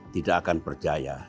tidak akan berjaya